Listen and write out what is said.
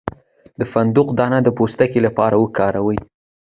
د فندق دانه د پوستکي لپاره وکاروئ